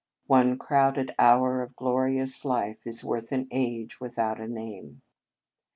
" One crowded hour of glorious life Is worth an age without a name."